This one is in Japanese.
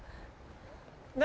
何？